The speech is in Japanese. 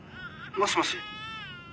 もしもし。